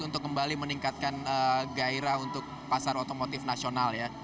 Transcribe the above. untuk kembali meningkatkan gairah untuk pasar otomotif nasional ya